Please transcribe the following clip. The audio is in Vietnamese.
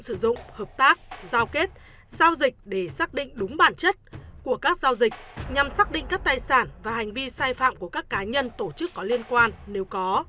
sử dụng hợp tác giao kết giao dịch để xác định đúng bản chất của các giao dịch nhằm xác định các tài sản và hành vi sai phạm của các cá nhân tổ chức có liên quan nếu có